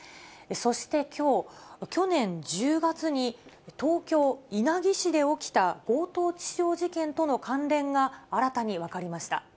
そしてきょう、去年１０月に東京・稲城市で起きた強盗致傷事件との関連が新たに分かりました。